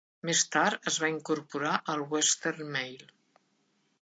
Més tard es va incorporar al "Western Mail".